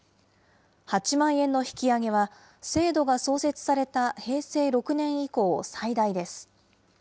８万円の引き上げは、制度が創設された平成６年以降最大です。